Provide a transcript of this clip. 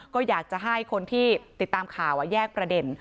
ก็อยากจะให้คนที่ติดตามข่าวแยกประเด็น